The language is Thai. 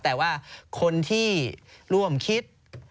แต่ว่าคนที่ร่วมคิด